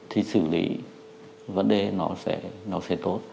thì xử lý vấn đề nó sẽ tốt